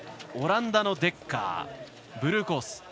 オランダのデッカーブルーコース。